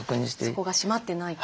そこが閉まってないか。